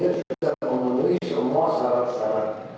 ini harus kita memenuhi semua syarat syarat